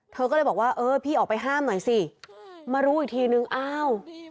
เธอก็เลยบอกว่าเออพี่ออกไปห้ามหน่อยสิมารู้อีกทีนึงอ้าว